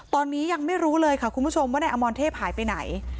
ตอนนี้ยังไม่รู้เลยค่ะคุณผู้ชมว่านายอมรเทพหายไปไหน